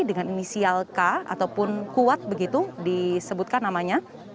dengan inisial k ataupun kuat begitu disebutkan namanya